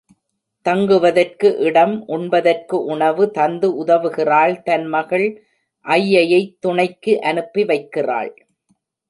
தங்குவதற்கு இடம், உண்பதற்கு உணவு தந்து உதவுகிறாள் தன் மகள் ஐயையைத் துணைக்கு அனுப்பி வைக்கிறாள்.